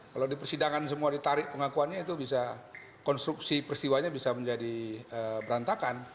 kalau di persidangan semua ditarik pengakuannya itu bisa konstruksi peristiwanya bisa menjadi berantakan